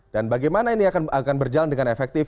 dan bagaimana ini akan berjalan dengan efektif